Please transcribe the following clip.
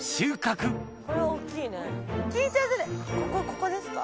ここですか？